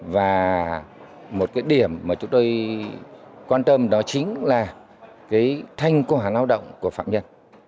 và một cái điểm mà chúng tôi quan tâm đó chính là cái thanh quả lao động của phạm nhân